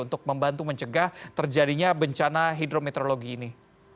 untuk membantu mencegah terjadinya bencana hidrometeorologi ini